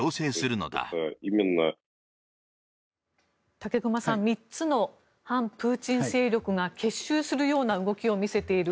武隈さん３つの反プーチン勢力が結集するような動きを見せている。